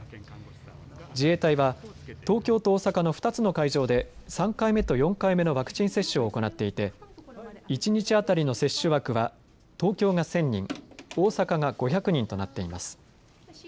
自衛隊は東京と大阪の２つの会場で３回目と４回目のワクチン接種を行っていて一日当たりの接種枠は東京が１０００人、大阪が５００人となっています。